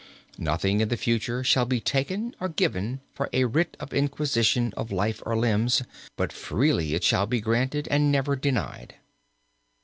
"Nothing in the future shall be taken or given for a writ of inquisition of life or limbs, but freely it shall be granted, and never denied.